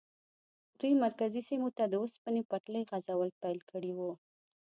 دوی مرکزي سیمو ته د اوسپنې پټلۍ غځول پیل کړي وو.